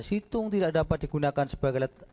situng tidak dapat digunakan sebagai laporan model c satu pwp